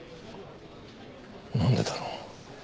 何でだろう？